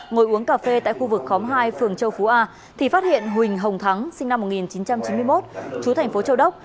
ngồi uống cà phê tại khu vực khóm hai phường châu phú a thì phát hiện huỳnh hồng thắng sinh năm một nghìn chín trăm chín mươi một chú thành phố châu đốc